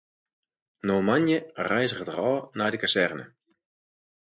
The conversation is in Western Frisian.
No moandei reizget er ôf nei de kazerne.